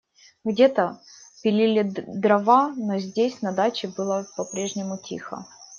Где-то пилили дрова, но здесь, на даче, было по-прежнему тихо.